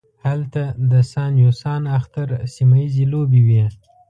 هلته د سان یو سان اختر سیمه ییزې لوبې وې.